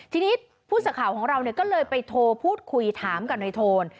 ทีนี้ผู้สื่อข่าวของเราก็เลยไปโทรพูดคุยถามกับนายโทน